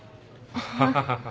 ハハハハ。